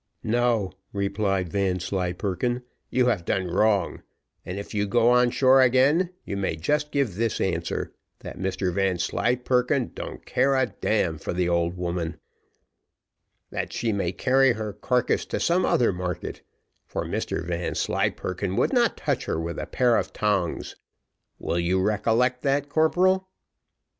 "No," replied Vanslyperken, "you have done wrong; and if you go on shore again, you may just give this answer, that Mr Vanslyperken don't care a d n for the old woman; that she may carry her carcass to some other market, for Mr Vanslyperken would not touch her with a pair of tongs. Will you recollect that, corporal?"